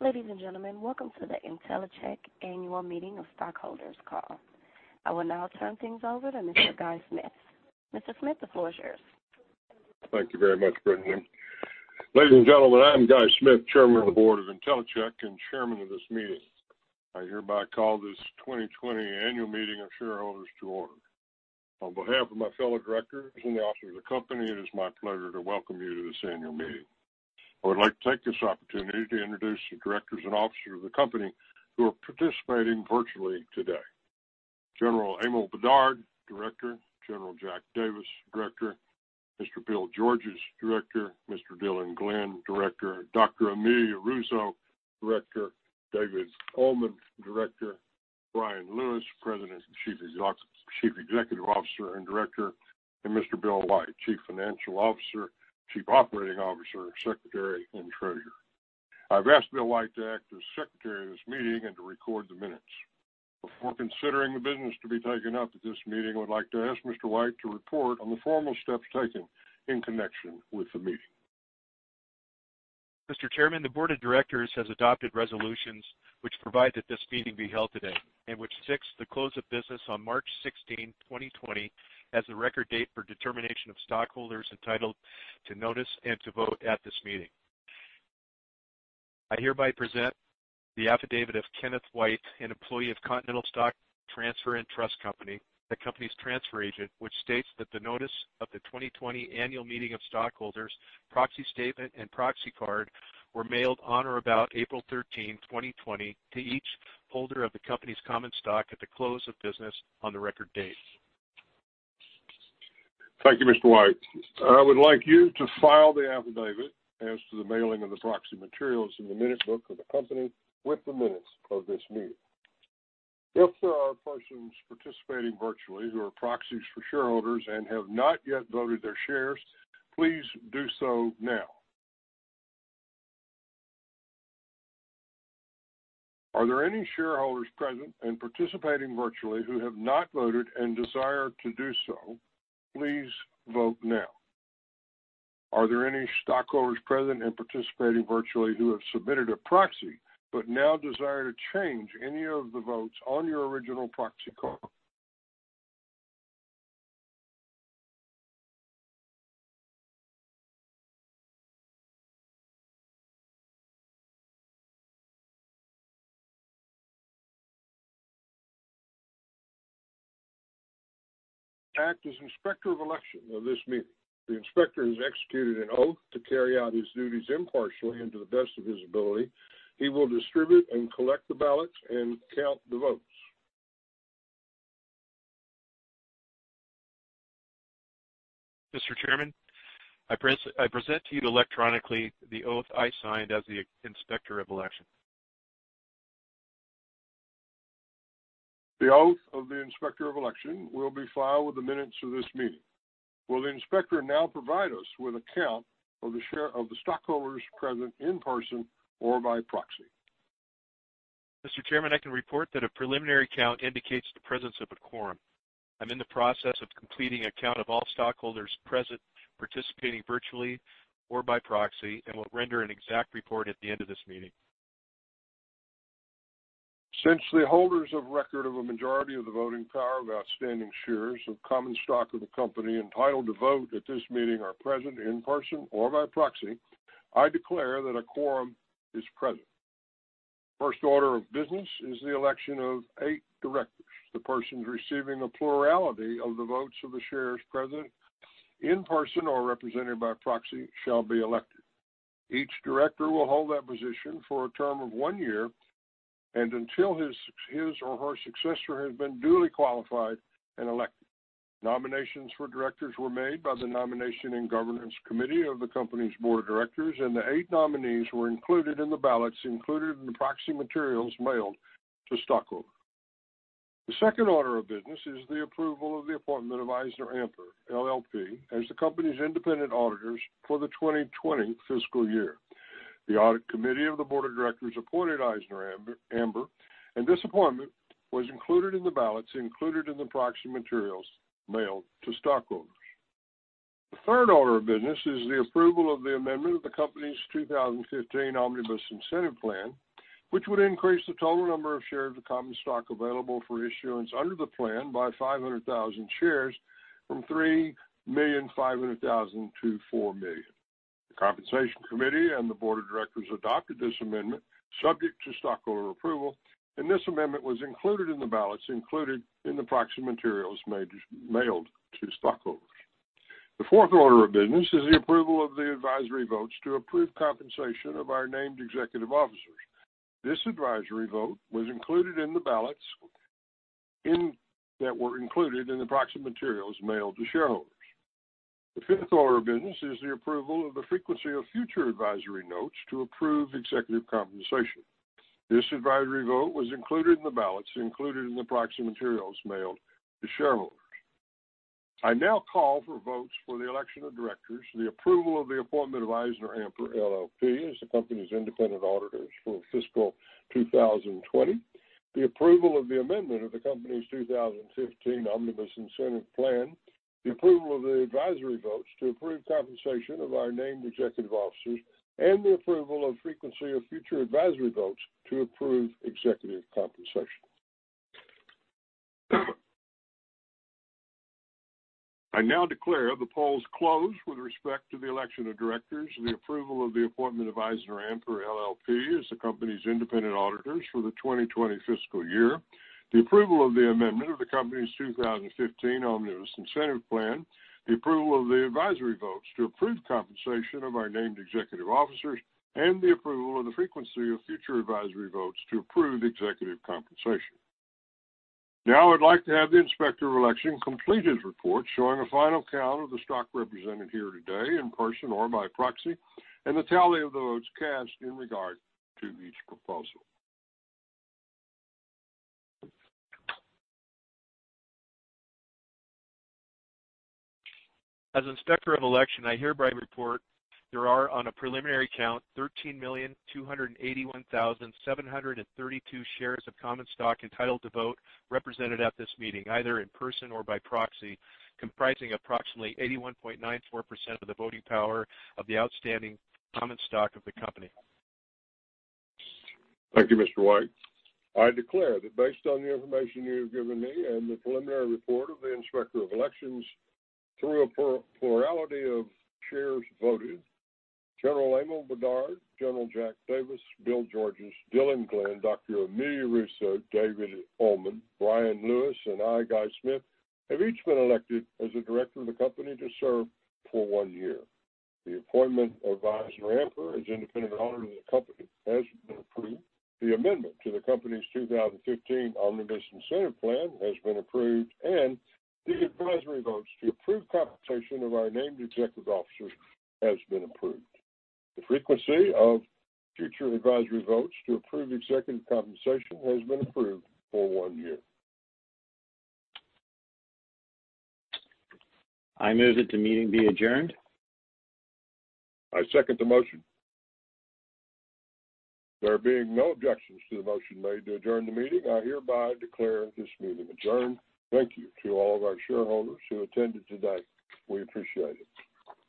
Ladies and gentlemen, welcome to the Intellicheck annual meeting of stockholders called. I will now turn things over to Mr. Guy Smith. Mr. Smith, the floor is yours. Thank you very much, President. Ladies and gentlemen, I'm Guy Smith, Chairman of the Board of Intellicheck and Chairman of this meeting. I hereby call this 2020 annual meeting of shareholders to order. On behalf of my fellow directors and the officers of the company, it is my pleasure to welcome you to this annual meeting. I would like to take this opportunity to introduce the directors and officers of the company who are participating virtually today: General Emil Bedard, Director, General Jack Davis, Director, Mr. Bill Georges, Director, Mr. Dylan Glenn, Director, Dr. Amy Russo, Director, David Coleman, Director, Bryan Lewis, President and Chief Executive Officer and Director, and Mr. Bill White, Chief Financial Officer, Chief Operating Officer, Secretary, and Treasurer. I have asked Bill White to act as Secretary of this meeting and to record the minutes. Before considering the business to be taken up at this meeting, I would like to ask Mr. White to report on the formal steps taken in connection with the meeting. Mr. Chairman, the Board of Directors has adopted resolutions which provide that this meeting be held today and which fix the close of business on March 16, 2020, as the record date for determination of stockholders entitled to notice and to vote at this meeting. I hereby present the affidavit of Kenneth White, an employee of Continental Stock Transfer & Trust Company, the company's transfer agent, which states that the notice of the 2020 annual meeting of stockholders, proxy statement, and proxy card were mailed on or about April 13, 2020, to each holder of the company's common stock at the close of business on the record date. Thank you, Mr. White. I would like you to file the affidavit as to the mailing of the proxy materials in the minute book of the company with the minutes of this meeting. If there are persons participating virtually who are proxies for shareholders and have not yet voted their shares, please do so now. Are there any shareholders present and participating virtually who have not voted and desire to do so? Please vote now. Are there any stockholders present and participating virtually who have submitted a proxy but now desire to change any of the votes on your original proxy card? Act as Inspector of Election of this meeting. The Inspector has executed an oath to carry out his duties impartially and to the best of his ability. He will distribute and collect the ballots and count the votes. Mr. Chairman, I present to you electronically the oath I signed as the Inspector of Election. The oath of the Inspector of Election will be filed with the minutes of this meeting. Will the Inspector now provide us with a count of the stockholders present in person or by proxy? Mr. Chairman, I can report that a preliminary count indicates the presence of a quorum. I'm in the process of completing a count of all stockholders present, participating virtually or by proxy, and will render an exact report at the end of this meeting. Since the holders of record of a majority of the voting power of outstanding shares of common stock of the company entitled to vote at this meeting are present in person or by proxy, I declare that a quorum is present. First order of business is the election of eight directors. The persons receiving a plurality of the votes of the shares present in person or represented by proxy shall be elected. Each director will hold that position for a term of one year and until his or her successor has been duly qualified and elected. Nominations for directors were made by the Nominating and Governance Committee of the company's Board of Directors, and the eight nominees were included in the ballots included in the proxy materials mailed to stockholders. The second order of business is the approval of the appointment of EisnerAmper LLP as the company's independent auditors for the 2020 fiscal year. The Audit Committee of the Board of Directors appointed EisnerAmper, and this appointment was included in the ballots included in the proxy materials mailed to stockholders. The third order of business is the approval of the amendment of the company's 2015 Omnibus Incentive Plan, which would increase the total number of shares of common stock available for issuance under the plan by 500,000 shares from 3,500,000 to 4,000,000. The Compensation Committee and the Board of Directors adopted this amendment subject to stockholder approval, and this amendment was included in the ballots included in the proxy materials mailed to stockholders. The fourth order of business is the approval of the advisory votes to approve compensation of our named executive officers. This advisory vote was included in the ballots that were included in the proxy materials mailed to shareholders. The fifth order of business is the approval of the frequency of future advisory votes to approve executive compensation. This advisory vote was included in the ballots included in the proxy materials mailed to shareholders. I now call for votes for the election of directors, the approval of the appointment of EisnerAmper LLP as the company's independent auditors for fiscal 2020, the approval of the amendment of the company's 2015 Omnibus Incentive Plan, the approval of the advisory votes to approve compensation of our named executive officers, and the approval of frequency of future advisory votes to approve executive compensation. I now declare the polls closed with respect to the election of directors, the approval of the appointment of EisnerAmper LLP as the company's independent auditors for the 2020 fiscal year, the approval of the amendment of the company's 2015 Omnibus Incentive Plan, the approval of the advisory votes to approve compensation of our named executive officers, and the approval of the frequency of future advisory votes to approve executive compensation. Now I would like to have the Inspector of Election complete his report showing a final count of the stock represented here today in person or by proxy and the tally of the votes cast in regard to each proposal. As Inspector of Election, I hereby report there are, on a preliminary count, 13,281,732 shares of common stock entitled to vote represented at this meeting, either in person or by proxy, comprising approximately 81.94% of the voting power of the outstanding common stock of the company. Thank you, Mr. White. I declare that based on the information you have given me and the preliminary report of the Inspector of Elections through a plurality of shares voted, General Emil Bedard, General Jack Davis, Bill Georges, Dylan Glenn, Dr. Amy Russo, David Coleman, Bryan Lewis, and I, Guy Smith, have each been elected as the director of the company to serve for one year. The appointment of EisnerAmper as independent auditor of the company has been approved. The amendment to the company's 2015 Omnibus Incentive Plan has been approved, and the advisory votes to approve compensation of our named executive officers have been approved. The frequency of future advisory votes to approve executive compensation has been approved for one year. I move that the meeting be adjourned. I second the motion. There being no objections to the motion made to adjourn the meeting, I hereby declare this meeting adjourned. Thank you to all of our shareholders who attended today. We appreciate it.